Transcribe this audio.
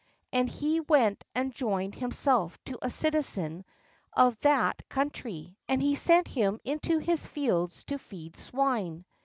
And he went and joined himself to a citizen of that country; and he sent him into his fields to feed swine.